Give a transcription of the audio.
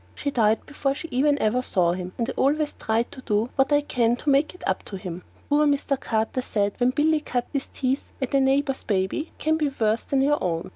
She died before she ever even saw him, and I've always tried to do what I could to make it up to him. Poor Mr. Carter said when Billy cut his teeth that a neighbour's baby can be worse than your own.